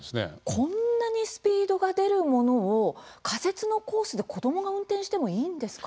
こんなにスピードが出るものを仮設のコースで子どもが運転してもいいんですか？